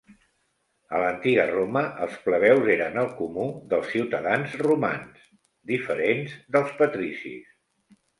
A l'antiga Roma, els plebeus eren el comú dels ciutadans romans, diferents dels patricis.